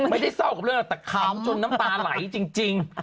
ไม่ได้เศร้ากับเรื่องแต่ขำจนน้ำตาไหลจริง